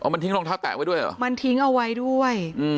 มันทิ้งรองเท้าแตะไว้ด้วยเหรอมันทิ้งเอาไว้ด้วย